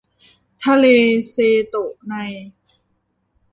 ทะเลเซโตะใน